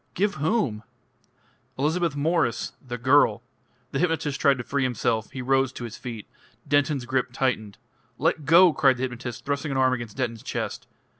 "Give whom?" "Elizabeth Mwres the girl " The hypnotist tried to free himself; he rose to his feet. Denton's grip tightened. "Let go!" cried the hypnotist, thrusting an arm against Denton's chest.